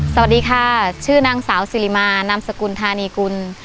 สวัสดีค่ะชื่อนางสาวสิริมานามสกุลธานีกุล